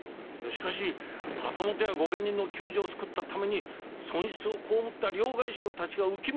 しかし旗本や御家人の窮状を救ったために損失を被った両替商たちが憂き目にあっているのです。